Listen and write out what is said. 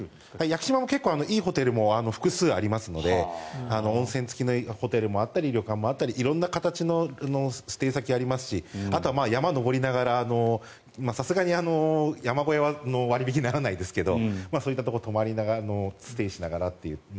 屋久島も結構いいホテルが複数ありますので温泉付きのホテルもあったり旅館もあったり色んな形のステイ先がありますしあとは山に登りながらさすがに山小屋は割引にならないですがそういったところに泊まりながらステイしながらと。